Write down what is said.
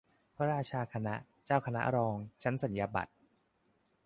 พระราชาคณะ เจ้าคณะรอง ชั้นสัญญาบัตร